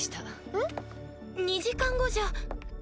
えっ？２時間後じゃ。